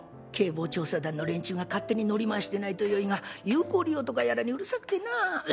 閨房調査団の連中が勝手に乗り回してないとよいが有効利用とかやらにうるさくてな。